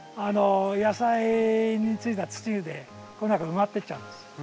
野菜についた土でこの中埋まってっちゃうんです。